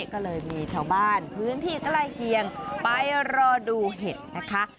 ก็เลยมีชาวบ้านพื้นที่ใกล้เคียงไปรอดูเห็ดนะคะ